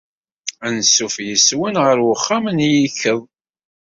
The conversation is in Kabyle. Anṣuf yes-wen ɣer uxxam n yikkeḍ.